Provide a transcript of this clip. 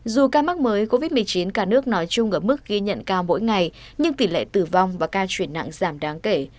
dù ca mắc mới covid một mươi chín cả nước nói chung ở mức ghi nhận cao mỗi ngày nhưng tỷ lệ tử vong và ca chuyển nặng giảm đáng kể